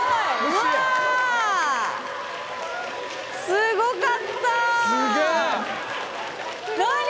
すごかった！